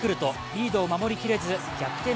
リードを守りきれず逆転